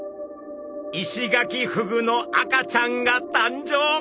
イシガキフグの赤ちゃんが誕生！